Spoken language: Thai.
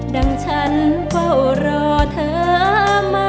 ดังฉันก็รอเธอมา